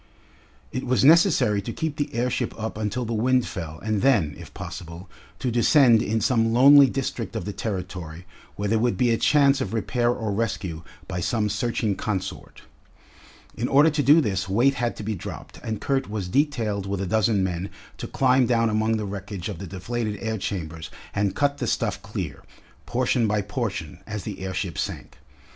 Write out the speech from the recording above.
It was necessary to keep the airship up until the wind fell and then, if possible, to descend in some lonely district of the Territory where there would be a chance of repair or rescue by some searching consort. In order to do this weight had to be dropped, and Kurt was detailed with a dozen men to climb down among the wreckage of the deflated air chambers and cut the stuff clear, portion by portion, as the airship sank.